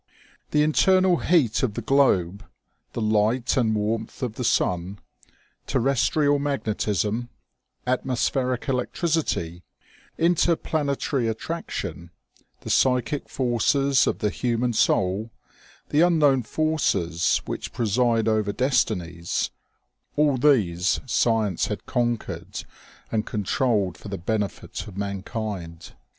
The internal heat of the globe, the light and warmth of the sun, terrestrial magnetism, atmospheric electricity, inter planetary attraction, the psychic forces of the human soul, the unknown forces which preside over destinies, all these science had conquered and controlled for the benefit of mankind.